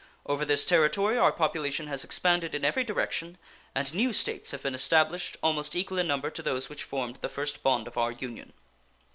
Over this territory our population has expanded in every direction, and new States have been established almost equal in number to those which formed the first bond of our Union.